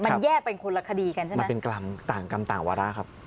มันแยกเป็นคนละคดีกันใช่ไหมมันเป็นกรรมต่างกรรมต่างวาระครับ